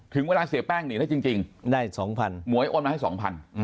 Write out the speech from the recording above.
ถึงเวลาเสียแป้งหนีแล้วจริง